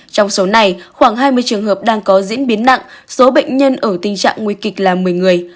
trong số này khoảng hai mươi trường hợp đang có diễn biến nặng số bệnh nhân ở tình trạng nguy kịch là một mươi người